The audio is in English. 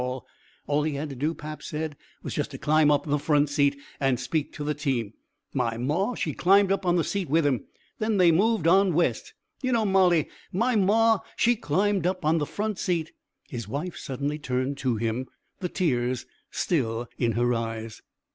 All he had to do, pap said, was just to climb up on the front seat and speak to the team. My maw, she climb up on the seat with him. Then they moved on West. You know, Molly. My maw, she climb up on the front seat " His wife suddenly turned to him, the tears still in her eyes.